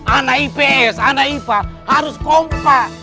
anak ips anak ipa harus kompak